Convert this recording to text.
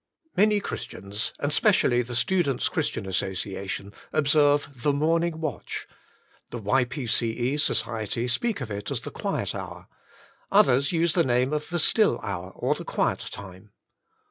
Many Christians, and specially the Student's Christian Association, observe The Morning Watch; the Y. P. C. E. Society speak of it as the Quiet Hour : others use the name of the Still Hour or the Quiet Time.